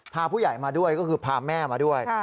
พาผู้ใหญ่มาด้วยก็คือพาแม่มาด้วย